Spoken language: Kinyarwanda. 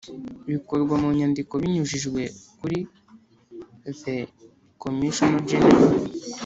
bikorwa mu nyandiko binyujijwe kuri the Commissioner General